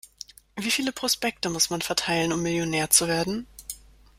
Wie viele Prospekte muss man verteilen, um Millionär zu werden?